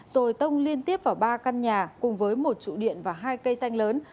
rồi tông liên tiếp vào ba căn nhà cùng với một trụ điện và hai cây xanh lớn